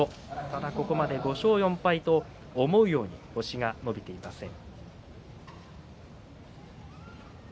ただ、ここまで５勝４敗と思うように星が伸びていません。